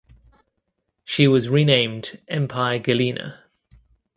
She was renamed "Empire Galena".